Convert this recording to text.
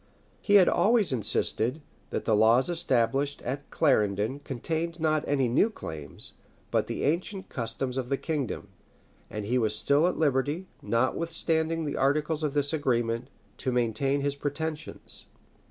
He had always insisted, that the laws established at Clarendon contained not any new claims, but the ancient customs of the kingdom; and he was still at liberty, notwithstanding the articles of this agreement, to maintain his pretensions.